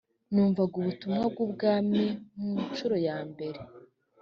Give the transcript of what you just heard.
numvaga ubutumwa bw ‘ubwami ku ncuro ya mbere.